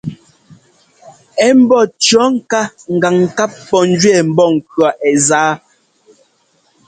Ɛ̌ mbɔ́ cʉ̈ɔ ŋká gǎŋ ŋkap pɔ̂ njʉɛɛ mbɔnkʉ̈ɔ ɛ́ zá.